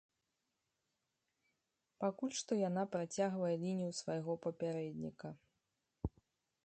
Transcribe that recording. Пакуль што яна працягвае лінію свайго папярэдніка.